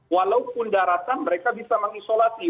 walaupun daratan mereka bisa mengisolasi